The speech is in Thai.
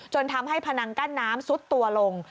ทำให้พนังกั้นน้ำซุดตัวลง